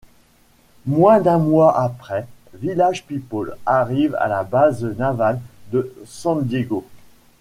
Moins d'un mois après, Village People arrive à la base navale de San Diego.